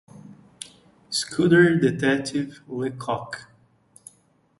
scuderie detetive le cocq